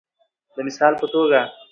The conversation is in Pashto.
د مثال په توګه د